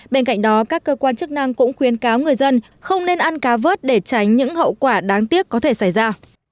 bên cạnh đó các cơ quan chức năng cũng khuyên cáo người dân không nên ăn cá vớt để tránh những hậu quả đáng tiếc có thể xảy ra